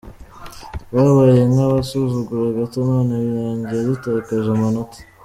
Twabaye nk’abasuzugura gato none birangiye dutakaje amanota.